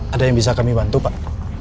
ada yang bisa kami bantu pak